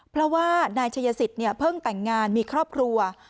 เพราะว่านายชัยสิทธิ์เพิ่งแต่งงานมีครอบครัว